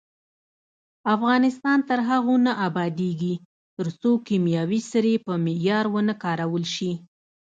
افغانستان تر هغو نه ابادیږي، ترڅو کیمیاوي سرې په معیار ونه کارول شي.